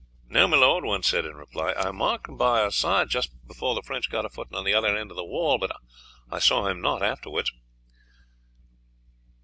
"No, my lord," one said in reply. "I marked him by our side just before the French got a footing at the other end of the wall, but I saw him not afterwards."